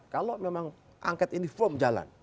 kalau memang angket ini firm jalan